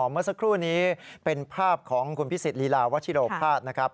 เมื่อสักครู่นี้เป็นภาพของคุณพิสิทธิลีลาวัชิโรภาษณนะครับ